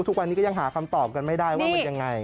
ทุกวันนี้ก็ยังหาคำตอบกันไม่ได้ว่ามันยังไง